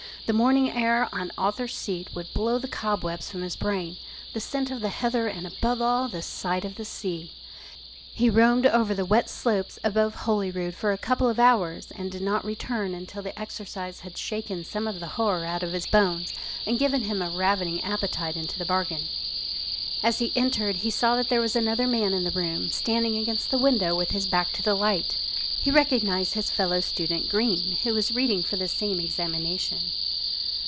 The morning air on Arthur's Seat would blow the cobwebs from his brain; the scent of the heather, and above all, the sight of the sea. He roamed over the wet slopes above Holyrood for a couple of hours, and did not return until the exercise had shaken some of the horror out of his bones, and given him a ravening appetite into the bargain. As he entered he saw that there was another man in the room, standing against the window with his back to the light. He recognised his fellow student Greene, who was reading for the same examination.